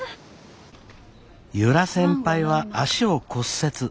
由良先輩は足を骨折。